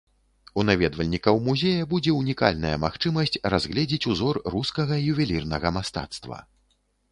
У наведвальнікаў музея будзе ўнікальная магчымасць разгледзець узор рускага ювелірнага мастацтва.